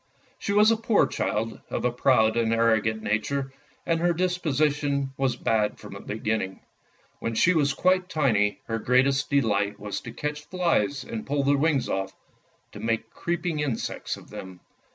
She was a poor child, of a proud and arrogant nature, and her disposition was bad from the beginning. When she was quite tiny, her greatest delight was to catch flies and pull their wings off, to make creeping insects of them.